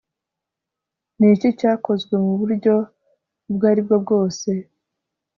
niki cyakozwe muburyo ubwo aribwo bwose